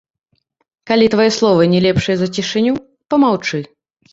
Калі твае словы не лепшыя за цішыню, памаўчы.